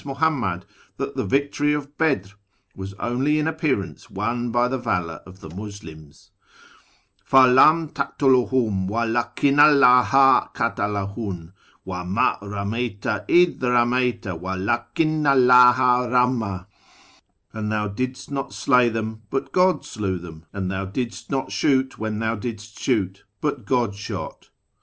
Muhannnad lliat the victory of ]J('(h was oidy in appearance won by the valour of the Muslims :—" Fa lam taktuluhum, wa lakinna 'lldha katalahum ; iva vid ramcyta idh ramcyta, wa lahinna 'lldha ramd," — "And thou didst not slay them, but God slew them ; and tliou didst not slioot when thou didst shoot, but God shot."